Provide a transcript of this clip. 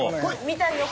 見たいよ